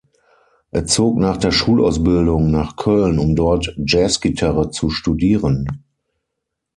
Er zog nach der Schulausbildung nach Köln, um dort Jazzgitarre zu studieren.